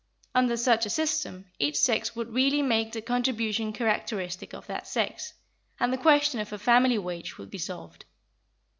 Under such a system, each sex would really make the contribution characteristic of that sex, and the question of a "family wage" would be solved.